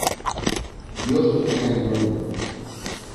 dios le tenga en Gloria.